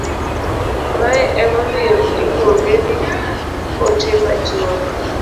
mae emomiyo iluonge ni ote machuok